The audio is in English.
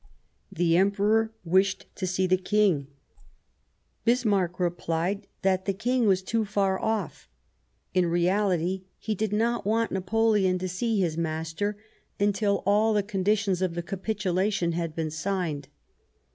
The Emperor wished to see the King ; Bismarck repUed that the King was too far off : in reality he did not want Napoleon to see his master until all the conditions of the capitulation had been signed.